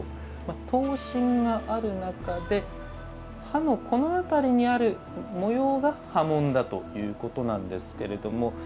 刀身がある中で刃の、この辺りにある模様が刃文だということなんですが。